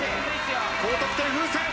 高得点風船。